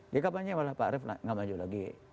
dia kapan ya pak arief tidak maju lagi